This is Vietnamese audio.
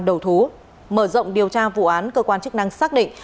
đầu thú mở rộng điều tra vụ án cơ quan chức năng xác định